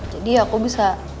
jadi aku bisa